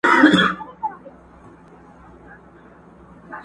o په تېرو اوبو پسي چا يوم نه وي اخستی.